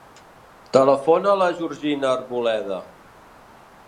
Telefona a la Georgina Arboleda.